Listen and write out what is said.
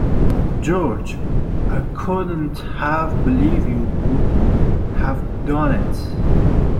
George, I couldn't have believed you would have done it!